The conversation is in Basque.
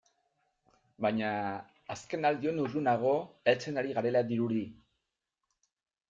Baina azkenaldion urrunago heltzen ari garela dirudi.